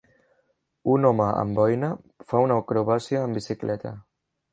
Un home amb boina fa una acrobàcia amb bicicleta.